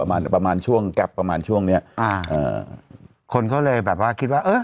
ประมาณประมาณช่วงแก๊ปประมาณช่วงเนี้ยอ่าเอ่อคนเขาเลยแบบว่าคิดว่าเออ